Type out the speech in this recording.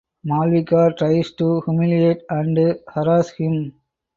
Malvika tries to humiliate and harass him.